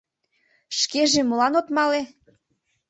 — Шкеже молан от мале?